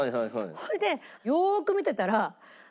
それでよーく見てたら。